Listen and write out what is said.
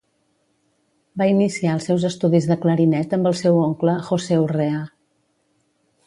Va iniciar els seus estudis de clarinet amb el seu oncle José Urrea.